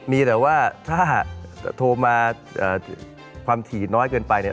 มีแต่ว่าถ้าโทรมาความถี่น้อยเกินไปเนี่ย